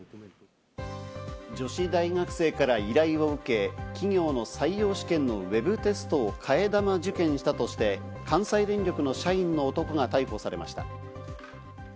女子大学生から依頼を受け、企業の採用試験のウェブテストを替え玉受験したとして、関西電力の社員の男が逮捕されました。